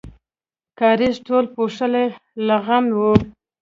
کاریز ټول پوښلی لغم و.